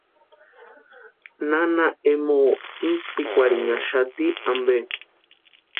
Nana Emoo intspikwarhinhaxati ampe.